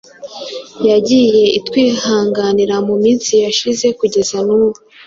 yagiye itwihanganira mu minsi yashize kugeza n’ubu